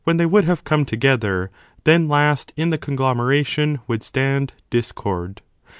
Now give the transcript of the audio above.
71 would have come together, then last in the conglomeration would stand discord.